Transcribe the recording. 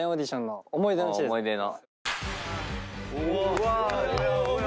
うわ！